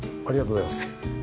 ありがとうございます。